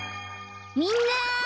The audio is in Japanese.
みんな！